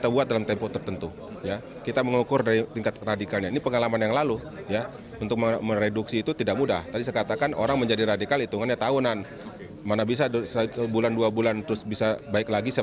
bapak komjen paul soehardi alius